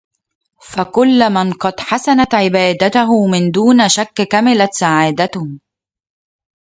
فكل من قد حسنت عبادته من دون شك كملت سعادته